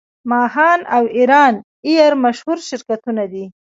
ماهان او ایران ایر مشهور شرکتونه دي.